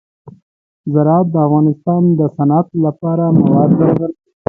زراعت د افغانستان د صنعت لپاره مواد برابروي.